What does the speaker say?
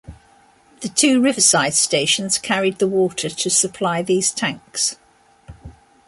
The two riverside stations carried the water to supply these tanks.